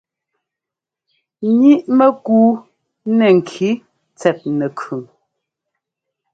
Ŋíʼ mɛkuu nɛ ŋki tsɛt nɛkʉn.